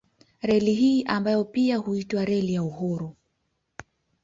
Reli hii ambayo pia huitwa Reli ya Uhuru